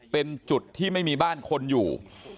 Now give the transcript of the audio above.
เป็นจุดที่ไม่มีบ้านคนอยู่